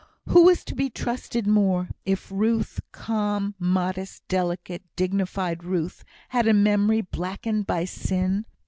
Who was to be trusted more, if Ruth calm, modest, delicate, dignified Ruth had a memory blackened by sin?